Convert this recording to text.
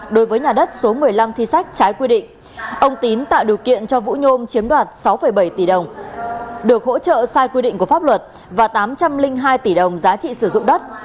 đối với nhà đất số một mươi năm thi sách trái quy định ông tín tạo điều kiện cho vũ nhôm chiếm đoạt sáu bảy tỷ đồng được hỗ trợ sai quy định của pháp luật và tám trăm linh hai tỷ đồng giá trị sử dụng đất